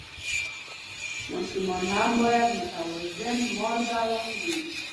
ماشومان هم باید متوازن مالګه وخوري.